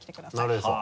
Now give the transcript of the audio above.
なるへそ。